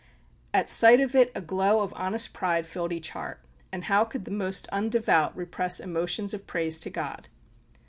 At sight of it a glow of honest pride filled each heart; and how could the most undevout repress emotions of praise to God?